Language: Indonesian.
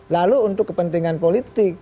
lalu untuk kepentingan politik